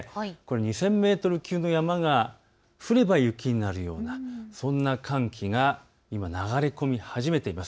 ２０００メートル級の山、降れば雪になるようなそんな寒気が今、流れ込み始めています。